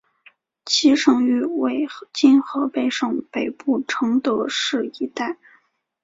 其省域为今河北省北部承德市一带。